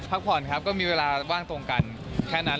พักผ่อนครับก็มีเวลาว่างตรงกันแค่นั้น